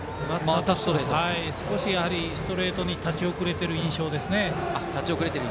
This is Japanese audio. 少しストレートに立ち遅れている印象ですね。